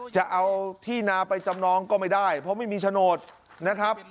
จะเอาที่นาไปจำนองก็ไม่ได้เพราะไม่มีโฉนดนะครับ